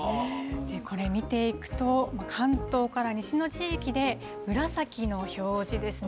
これ見ていくと、関東から西の地域で紫の表示ですね。